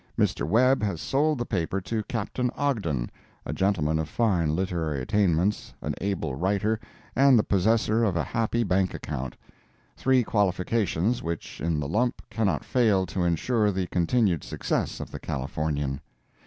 Mr. Webb has sold the paper to Captain Ogden, a gentleman of fine literary attainments, an able writer, and the possessor of a happy bank account—three qualifications which, in the lump, cannot fail to insure the continued success of the Californian.